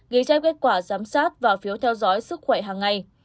ghi trách kết quả giám sát và phiếu theo dõi sức khỏe hàng ngày